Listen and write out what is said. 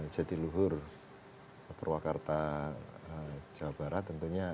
jadi luhur purwakarta jawa barat tentunya